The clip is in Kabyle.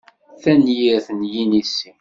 Tanyirt n yinisi.